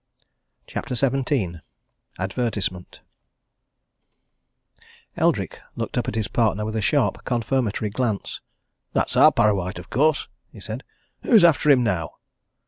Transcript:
CHAPTER XVII ADVERTISEMENT Eldrick looked up at his partner with a sharp, confirmatory glance. "That's our Parrawhite, of course!" he said. "Who's after him, now?"